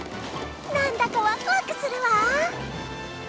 何だかワクワクするわ。